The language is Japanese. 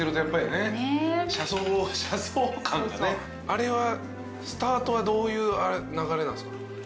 あれはスタートはどういう流れなんすか？